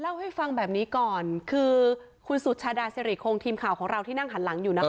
เล่าให้ฟังแบบนี้ก่อนคือคุณสุชาดาสิริคงทีมข่าวของเราที่นั่งหันหลังอยู่นะคะ